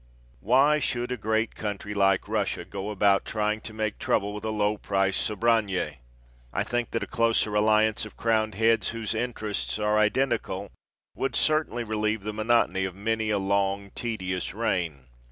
Why should a great country like Russia go about trying to make trouble with a low priced Sobranje! I think that a closer alliance of crowned heads, whose interests are identical, would certainly relieve the monotony of many a long, tedious reign.